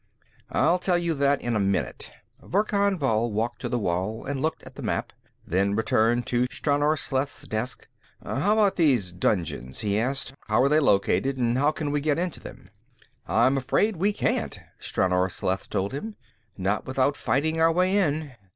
"I'll tell you that in a minute." Verkan Vall walked to the wall and looked at the map, then returned to Stranor Sleth's desk. "How about these dungeons?" he asked. "How are they located, and how can we get in to them?" "I'm afraid we can't," Stranor Sleth told him. "Not without fighting our way in.